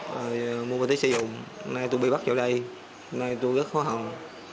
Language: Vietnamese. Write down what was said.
rồi mua một tí sử dụng nay tôi bị bắt vào đây nay tôi rất khó hồng